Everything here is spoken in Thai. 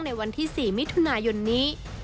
ในวันที่๔มิถุนายนนี้